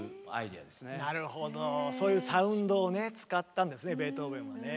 そういうサウンドをね使ったんですねベートーベンもね。